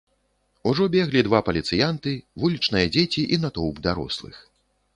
Ужо беглі два паліцыянты, вулічныя дзеці і натоўп дарослых.